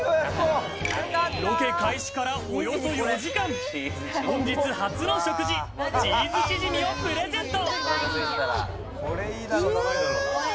ロケ開始からおよそ４時間、本日初の食事、チーズチヂミをプレゼント。